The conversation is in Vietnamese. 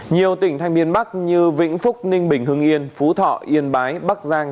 nhiều tỉnh thanh niên bắc như vĩnh phúc ninh bình hưng yên phú thọ yên bái bắc giang